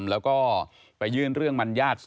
แล้วก็ไปยื่นเรื่องมัญญาติ